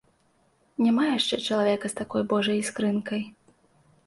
Няма яшчэ чалавека з такой божай іскрынкай.